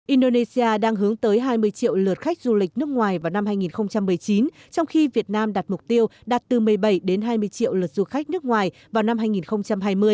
indonesia đang hướng tới hai mươi triệu lượt khách du lịch nước ngoài vào năm hai nghìn một mươi chín trong khi việt nam đặt mục tiêu đạt từ một mươi bảy đến hai mươi triệu lượt du khách nước ngoài vào năm hai nghìn hai mươi